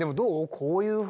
こういうふうなね